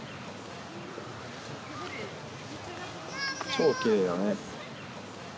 超きれいだね